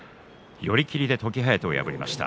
寄り切りで時疾風を破りました。